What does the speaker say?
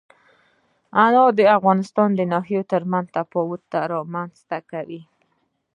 انار د افغانستان د ناحیو ترمنځ تفاوتونه رامنځ ته کوي.